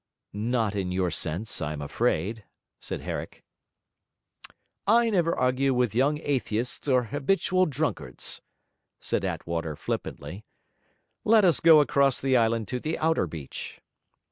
'Not in your sense, I am afraid,' said Herrick. 'I never argue with young atheists or habitual drunkards,' said Attwater flippantly. 'Let us go across the island to the outer beach.'